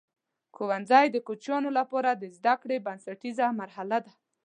ښوونځی د کوچنیانو لپاره د زده کړې بنسټیزه مرحله ده.